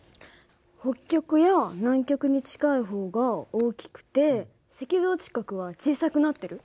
北極や南極に近い方が大きくて赤道近くは小さくなってる。